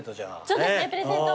そうですねプレゼント。